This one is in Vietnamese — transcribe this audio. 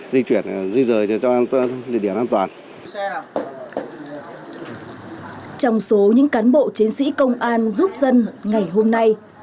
giúp dân ngày hôm nay